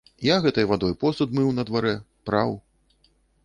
Я гэтай вадой посуд мыў на дварэ, праў.